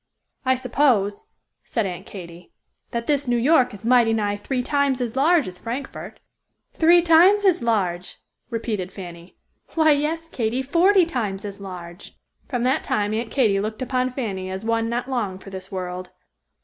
"I s'pose," said Aunt Katy, "that this New York is mighty nigh three times as large as Frankfort." "Three times as large!" repeated Fanny. "Why, yes, Katy, forty times as large." From that time Aunt Katy looked upon Fanny as one not long for this world.